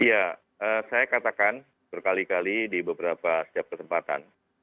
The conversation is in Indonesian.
iya saya katakan berkali kali di beberapa setiap kesempatan